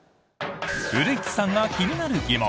古市さんが気になる疑問。